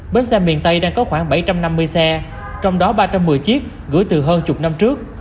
bến xe miền tây đang có khoảng bảy trăm năm mươi xe trong đó ba trăm một mươi chiếc gửi từ hơn chục năm trước